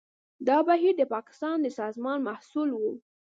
دا بهیر د پاکستان د سازمان محصول و.